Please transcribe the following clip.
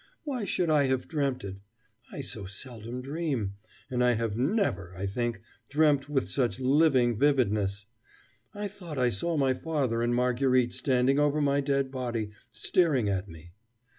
Why should I have dreamt it? I so seldom dream! and I have never, I think, dreamt with such living vividness. I thought I saw my father and Marguerite standing over my dead body, staring at me.